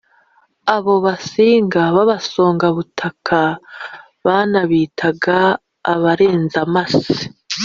abo basinga b'abasangwabutaka banabitaga abarenzamase